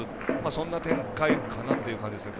そんな展開かなという感じですね。